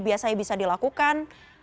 biasanya bisa dilakukan